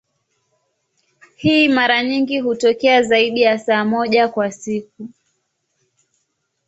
Hii mara nyingi hutokea zaidi ya saa moja kwa siku.